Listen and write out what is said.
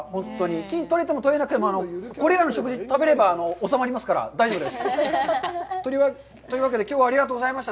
金採れても採れなくても、これらの食事食べればおさまりますから、大丈夫です。というわけで、きょうはありがとうございました。